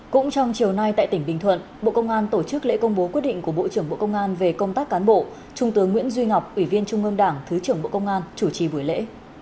cũng trong chiều nay tại tỉnh bình thuận bộ công an tổ chức lễ công bố quyết định của bộ trưởng bộ công an về công tác cán bộ trung tướng nguyễn duy ngọc ủy viên trung ương đảng thứ trưởng bộ công an chủ trì buổi lễ